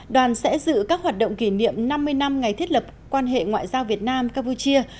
đoàn sẽ giữ các hoạt động kỷ niệm năm mươi năm ngày thiết lập quan hệ ngoại giao việt nam campuchia